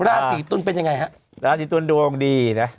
ราศีตุ๋นดวงดีนะ